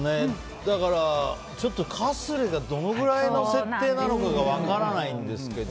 ちょっとカスレがどのぐらいの設定なのかが分からないんですけど。